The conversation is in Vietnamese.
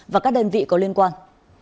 và các đơn vị có liên quan